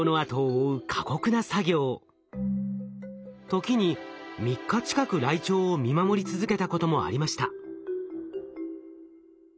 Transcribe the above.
ときに３日近くライチョウを見守り続けたこともありました。